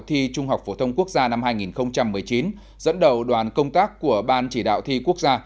thi trung học phổ thông quốc gia năm hai nghìn một mươi chín dẫn đầu đoàn công tác của ban chỉ đạo thi quốc gia